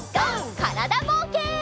からだぼうけん。